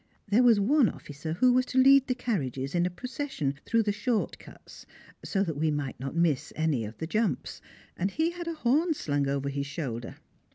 There was one officer who was to lead the carriages in a procession through the short cuts, so that we might not miss any of the jumps, and he had a horn slung over his shoulder.